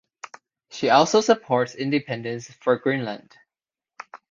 She also supports independence for Greenland.